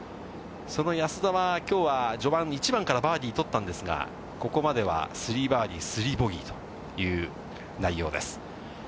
その安田はきょうは、序盤１番からバーディー取ったんですが、ここまでは３バーディー３ボギーという内容です。